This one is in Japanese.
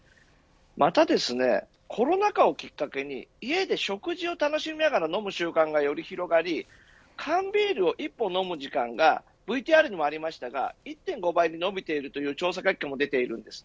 また、コロナ禍をきっかけに家で食事を楽しみながら飲む習慣がより広がり缶ビールを１本飲む時間がＶＴＲにもありましたが１．５倍に伸びているという調査結果も出ているんです。